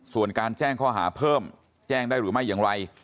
ส่วนการแจ้งข้อหาเพิ่มแจ้งได้หรือไม่อย่างไร